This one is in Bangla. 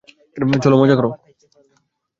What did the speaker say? চলো মজা করো।